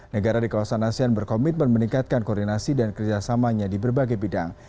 negara di kawasan asean berkomitmen meningkatkan koordinasi dan kerjasamanya di berbagai bidang